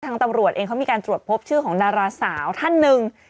ตำรวจเองเขามีการตรวจพบชื่อของดาราสาวท่านหนึ่ง